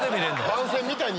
番宣みたいに！